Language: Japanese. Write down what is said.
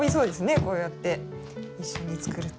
こうやって一緒に作ると。